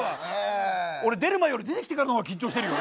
俺出る前より出てきてからのほうが緊張してるよ。